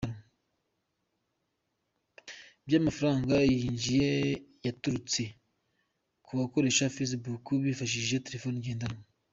by’amafaranga yinjiye yaturutse kubakoresha Facebook bifashishije telefoni ngendanwa.